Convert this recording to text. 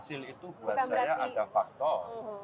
jadi itu buat saya ada faktor